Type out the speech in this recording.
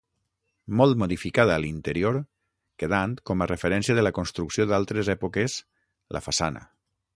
Molt modificada a l'interior, quedant, com a referència de la construcció d'altres èpoques, la façana.